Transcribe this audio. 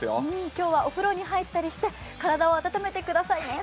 今日はお風呂に入ったりして体を温めてくださいね。